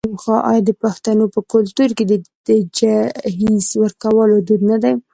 آیا د پښتنو په کلتور کې د جهیز ورکول دود نه دی؟